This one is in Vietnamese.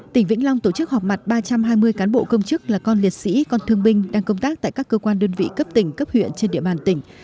tỉnh vĩnh long tổ chức họp mặt ba trăm hai mươi cán bộ công chức là con liệt sĩ con thương binh đang công tác tại các cơ quan đơn vị cấp tỉnh cấp huyện trên địa bàn tỉnh